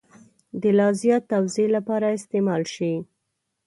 د لا زیات توضیح لپاره استعمال شي.